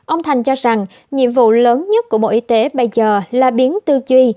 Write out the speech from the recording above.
ông thành cho rằng nhiệm vụ lớn nhất của bộ y tế bây giờ là biến tư duy